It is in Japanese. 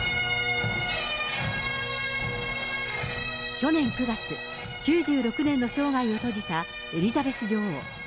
去年９月、９６年の生涯を閉じたエリザベス女王。